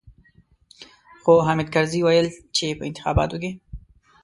خو حامد کرزي ويل چې په انتخاباتو کې.